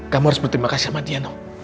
kamu harus berterima kasih sama dia no